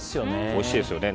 おいしいですよね。